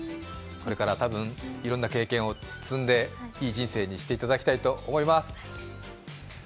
これから多分いろんな経験を積んでいい人生にしていただきたいと思います。